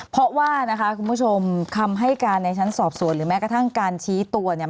เพราะว่านะคะคุณผู้ชมคำให้การในชั้นสอบสวนหรือแม้กระทั่งการชี้ตัวเนี่ย